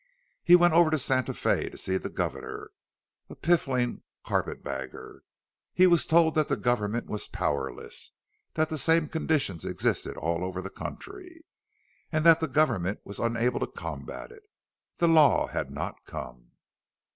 He went over to Santa Fe to see the governor a piffling carpet bagger. He was told that the government was powerless; that the same condition existed all over the country, and that the government was unable to combat it. The Law had not come.